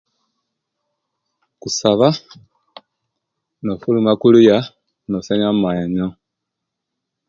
Kusaba no'fuluma kuluya no'senya amaino